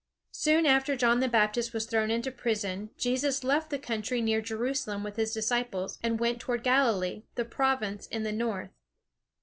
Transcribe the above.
Soon after John the Baptist was thrown into prison, Jesus left the country near Jerusalem with his disciples, and went toward Galilee, the province in the north.